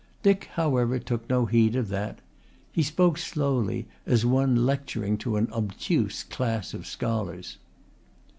Dick, however, took no heed of that. He spoke slowly as one lecturing to an obtuse class of scholars.